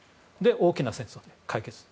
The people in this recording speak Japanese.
大きな戦争で解決する。